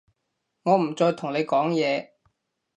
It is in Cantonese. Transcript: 我唔再同你講嘢